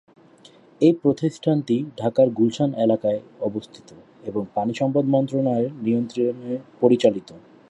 এই প্রতিষ্ঠানটি ঢাকার গুলশান এলাকায়-এ অবস্থিত এবং পানি সম্পদ মন্ত্রণালয়ের নিয়ন্ত্রণে পরিচালিত।